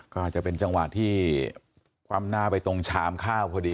ก็อาจจะเป็นจังหวะที่คว่ำหน้าไปตรงชามข้าวพอดี